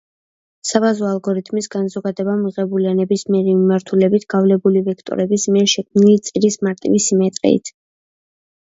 საბაზო ალგორითმის განზოგადება მიღებულია, ნებისმიერი მიმართულებით გავლებული ვექტორების მიერ შექმნილი წირის მარტივი სიმეტრიით.